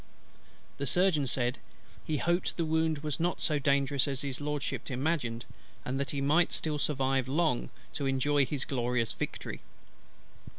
The Surgeon said, "he hoped the wound was not so dangerous as His LORDSHIP imagined, and that he might still survive long to enjoy his glorious victory."